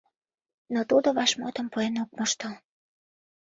Но тудо вашмутым пуэн ок мошто.